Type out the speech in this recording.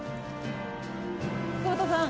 久保田さん